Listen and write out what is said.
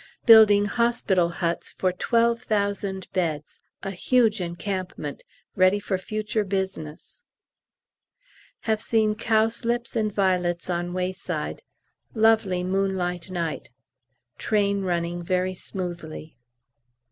building hospital huts for 12,000 beds, a huge encampment, ready for future business. Have seen cowslips and violets on wayside. Lovely moonlight night. Train running very smoothly.